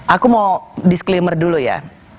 aku mau disclaimer dulu ya